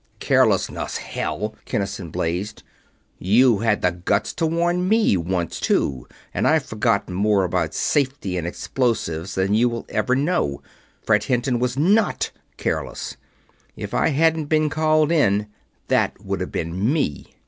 "Carelessness, hell!" Kinnison blazed. "You had the guts to warn me once, too, and I've forgotten more about safety in explosives than you ever will know. Fred Hinton was not careless if I hadn't been called in, that would have been me."